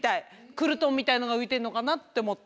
クルトンみたいなのがういてんのかなっておもって。